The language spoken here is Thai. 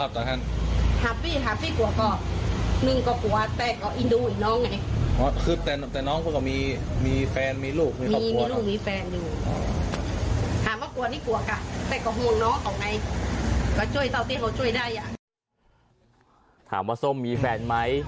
ถามว่าส้มมีแฟนไหม